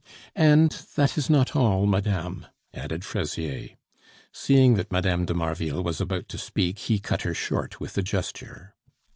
"And that is not all, madame," added Fraisier. Seeing that Mme. de Marville was about to speak, he cut her short with a gesture.